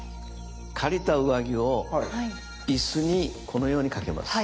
借りた上着を椅子にこのように掛けます。